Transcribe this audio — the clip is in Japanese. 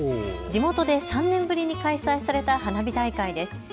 地元で３年ぶりに開催された花火大会です。